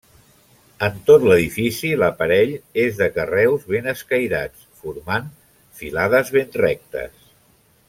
En tot l'edifici l'aparell és de carreus ben escairats formant filades ben rectes.